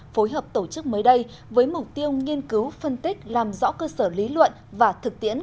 phối hợp tổ chức mới đây với mục tiêu nghiên cứu phân tích làm rõ cơ sở lý luận và thực tiễn